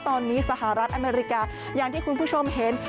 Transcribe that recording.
ตอนนี้สหรัฐอเมริกาอย่างที่คุณผู้ชมเห็น